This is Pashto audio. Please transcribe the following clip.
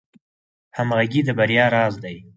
همغږي د بریا راز دی